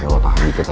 ya lo tahan dikit ya